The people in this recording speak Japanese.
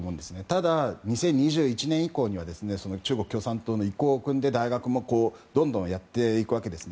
ただ、２０２１年以降には中国共産党の意向をくんで大学もどんどんやっていくわけです。